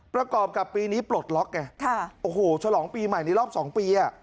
ประกอบกับปีนี้ปลดล็อกไงโอ้โหฉลองปีใหม่ในรอบ๒ปี